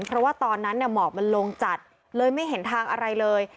เพราะว่าตอนนั้นหมอกมันลงจัดเลยไม่เห็นทางอะไรเลย